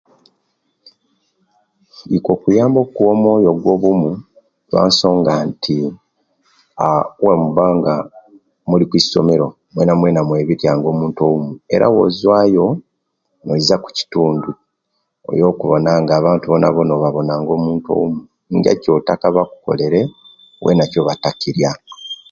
Ikwo kuyamba okuwa omoyo gwobumu kulensonga nti bwemuba nga muli kwisomero mwenamwena mwenitoya nga omuntu obumu era obwemuzuwayo muiza kukitundu olina okuwona nga abantu bonabona obawona nga omuntu oumu nga kyotaka bakukoleriye bwena kyobatakiriya